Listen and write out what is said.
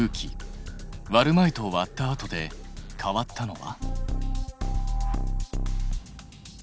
割る前と割った後で変わったのは？